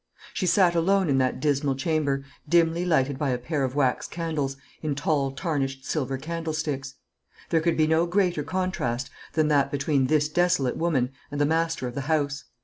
She sat alone in that dismal chamber, dimly lighted by a pair of wax candles, in tall tarnished silver candlesticks. There could be no greater contrast than that between this desolate woman and the master of the house.